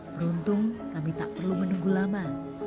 beruntung kami tak perlu menunggu lama